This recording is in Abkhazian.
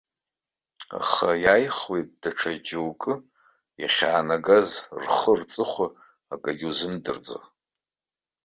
Аха иааихуеит даҽа џьоукы иахьаанагаз, рхы-рҵыхәа акгьы узымдырӡо.